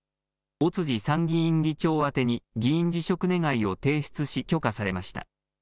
尾辻参議院議長宛てに議員辞職願を提出し許可されました。